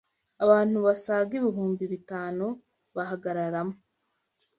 abantu basaga ibihumbi bitanu hagaragaramo